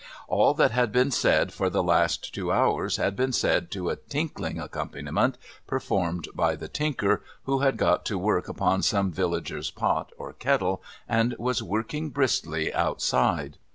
All that had been said for the last two hours, had been said to a 274 TOM TIDDLER'S GROUND tinkling accompaniment performed by the Tinker, who had got to work upon some villager's pot or kettle, and was working briskly outside.